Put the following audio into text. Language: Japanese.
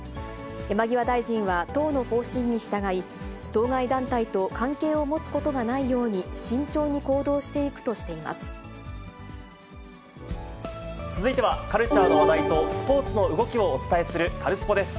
山際大臣は、党の方針に従い、当該団体と関係を持つことがないように、慎重に行動していくとし続いては、カルチャーの話題とスポーツの動きをお伝えする、カルスポっ！です。